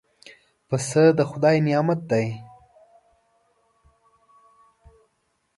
پسه د خدای نعمت دی.